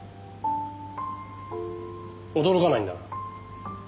驚かないんだな。